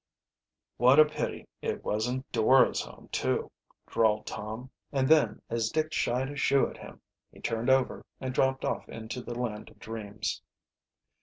"What a pity it wasn't Dora's home, too," drawled Tom, and then as Dick shied a shoe at him he turned over and dropped off into the land of dreams.